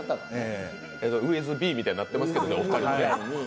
ウィズビーみたいになっていますけど。